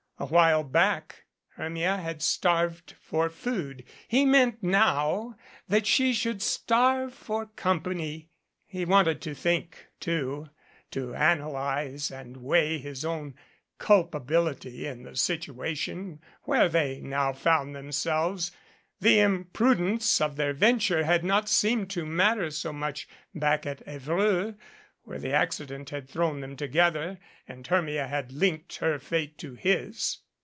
A while back Hermia had starved for food. He meant now that she should starve for company. He wanted to think, too, to analyze and weigh his own culpability in the situation where they now found them selves. The imprudence of their venture had not seemed to matter so much back at Evreux, where accident had thrown them together and Hermia had linked her fate to his.